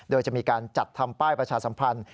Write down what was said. โดยจะมีการจัดทำป้ายประชาสัมพันธ์